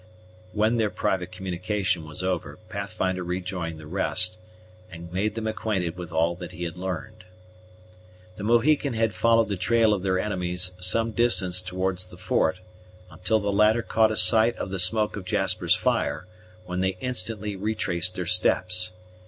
When their private communication was over, Pathfinder rejoined the rest, and made them acquainted with all he had learned. The Mohican had followed the trail of their enemies some distance towards the fort, until the latter caught a sight of the smoke of Jasper's fire, when they instantly retraced their steps.